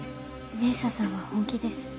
明紗さんは本気です。